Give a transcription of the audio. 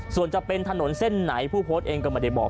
ส่วนจะเป็นถนนเส้นไหนผู้โพสต์เองก็ไม่ได้บอก